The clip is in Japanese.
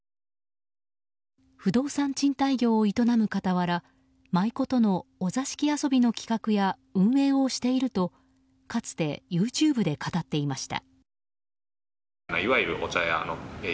不動産賃貸業を営む傍ら舞妓とのお座敷遊びの企画や運営をしているとかつてＹｏｕＴｕｂｅで語っていました。